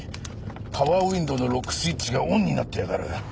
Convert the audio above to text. パワーウィンドーのロックスイッチがオンになってやがる！